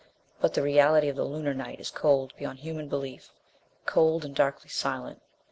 But the reality of the Lunar night is cold beyond human belief. Cold and darkly silent.